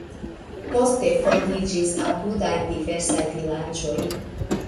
Poste fondiĝis apudaj diversaj vilaĝoj.